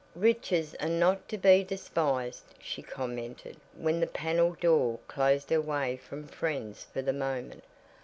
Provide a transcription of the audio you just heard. "Riches are not to be despised," she commented, when the paneled door closed her away from friends for the moment.